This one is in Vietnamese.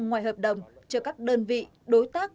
ngoài hợp đồng cho các đơn vị đối tác